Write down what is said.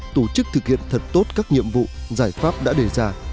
tổ chức thực hiện thật tốt các nhiệm vụ giải pháp đã đề ra